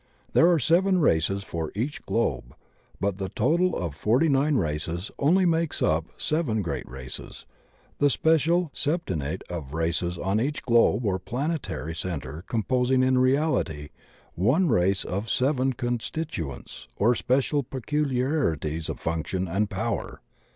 There are seven races for each globe, but the total of forty nine races only makes up seven great races, the special septennate of races on each globe or planetary centre composing in reality one race of seven constituents or special peculiarities of function and power.